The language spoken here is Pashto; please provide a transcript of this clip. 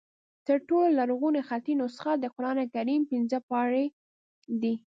تر ټولو لرغونې خطي نسخه د قرآن کریم پنځه پارې دي.